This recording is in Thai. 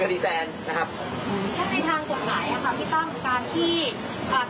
แค่ในทางกฎหลายพี่ต้องการที่